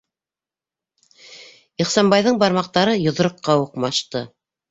- Ихсанбайҙың бармаҡтары йоҙроҡҡа уҡмашты.